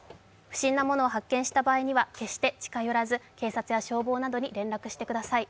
不審なものを発見した場合には決して近寄らず、警察や消防などに連絡してください。